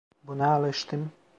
Buna alıştım.